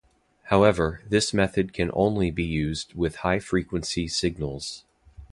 However, this method can only be used with high frequency signals.